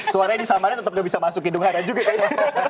suaranya di samarnya tetap gak bisa masuk kidung hara juga ya